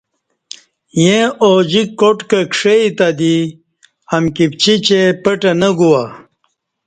ییں اوجیک کاٹ کہ کݜئ تہ دی امکی پچیچیں پٹں نہ گواہ